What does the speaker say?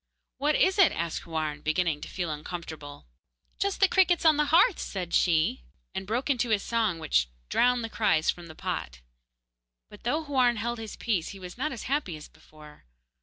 'What is it?' asked Houarn, beginning to feel uncomfortable. 'Just the crickets on the hearth,' said she, and broke into a song which drowned the cries from the pot. But though Houarn held his peace, he was not as happy as before.